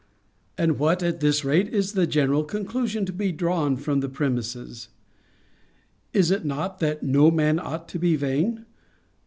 And what, at this rate, is the general conclusion to be drawn from the premises? Is it not, That no man ought to be vain?